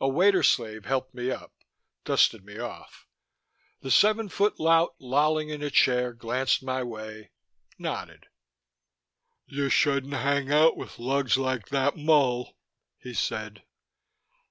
A Waiter slave helped me up, dusted me off. The seven foot lout lolling in a chair glanced my way, nodded. "You shouldn't hang out with lugs like that Mull," he said.